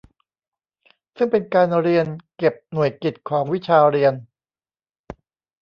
ซึ่งเป็นการเรียนเก็บหน่วยกิตของวิชาเรียน